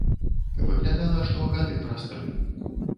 Выглядала, што гады праз тры.